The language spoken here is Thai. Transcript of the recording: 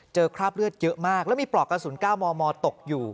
คราบเลือดเยอะมากแล้วมีปลอกกระสุน๙มมตกอยู่